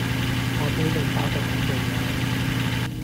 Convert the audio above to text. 我俾你搞到好無奈